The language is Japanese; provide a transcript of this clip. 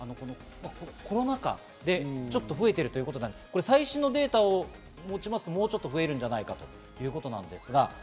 コロナ禍でちょっと増えているということで最新のデータを持ちますと、もうちょっと増えるんじゃないかということです。